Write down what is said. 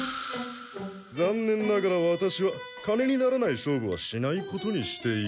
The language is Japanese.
残念ながらワタシは金にならない勝負はしないことにしている。